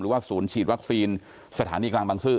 ว่าศูนย์ฉีดวัคซีนสถานีกลางบางซื่อ